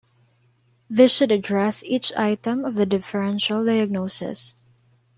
This should address each item of the differential diagnosis.